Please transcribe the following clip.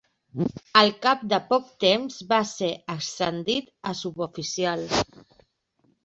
Al cap de poc temps va ser ascendit a suboficial.